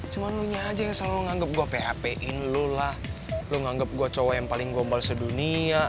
cuma lo aja yang selalu nganggep gue php in lo lah lo nganggep gue cowok yang paling gombal sedunia